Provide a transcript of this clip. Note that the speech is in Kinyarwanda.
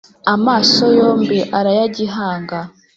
Amaso yombi arayagihanga